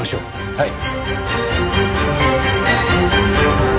はい。